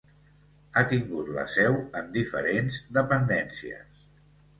Ha tingut la seu en diferents dependències.